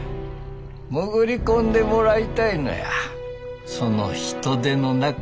潜り込んでもらいたいのやその人手の中に。